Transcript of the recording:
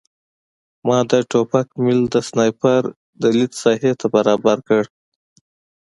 ما د ټوپک میل د سنایپر د لید ساحې ته برابر کړ